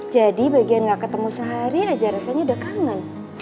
jadi bagian gak ketemu sehari aja rasanya udah kangen